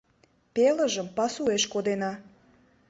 — Пелыжым пасуэш кодена.